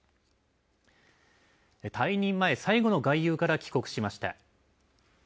退任前最後の外遊から帰国しました。